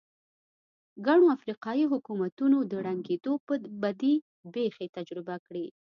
ګڼو افریقايي حکومتونو د ړنګېدو بدې پېښې تجربه کړې.